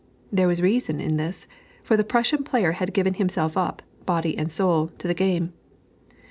There was reason in this; for the Prussian player has given himself up, body and soul, to the game.